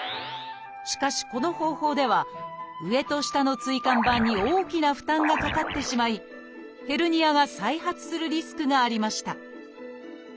しかしこの方法では上と下の椎間板に大きな負担がかかってしまいヘルニアが再発するリスクがありました